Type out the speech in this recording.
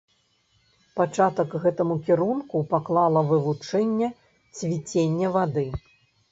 Пачатак гэтаму кірунку паклала вывучэнне цвіцення вады.